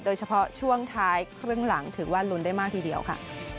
โดยเฉพาะช่วงท้ายครึ่งหลังถือว่าลุ้นได้มากทีเดียวค่ะ